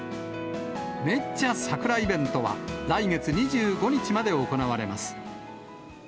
めっちゃ桜イベントは、来月２５日まで行われます。